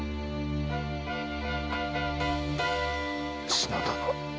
篠殿。